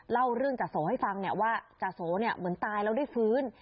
เล่าเรื่องจาโสให้ฟังว่าจาโสเนี่ยเหมือนตายแล้วได้ฟื้น